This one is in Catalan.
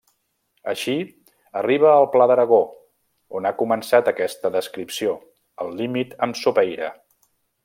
Així, arriba al Pla d'Aragó, on ha començat aquesta descripció, al límit amb Sopeira.